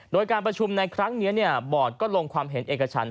โดยการประชุมในครั้งนี้บอร์ดก็ลงความเห็นเอกชัน